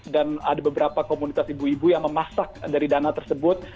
dan ada beberapa komunitas ibu ibu yang memasak dari dana tersebut